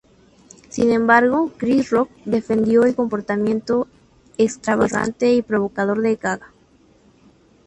Sin embargo, Chris Rock defendió el comportamiento extravagante y provocador de Gaga.